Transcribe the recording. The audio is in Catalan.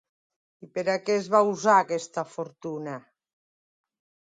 I per a què es va usar aquesta fortuna?